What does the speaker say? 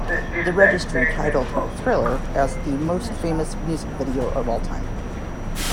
The Registry titled "Thriller" as "the most famous music video of all time".